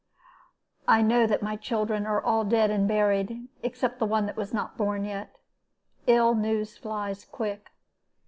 'I know that my children are all dead and buried, except the one that was not born yet. Ill news flies quick.